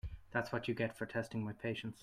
That’s what you get for testing my patience.